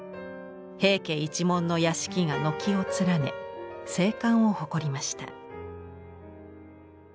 平家一門の屋敷が軒を連ね盛観を誇りました。